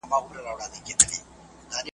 کتابونه انسان ته فکر ورکوي.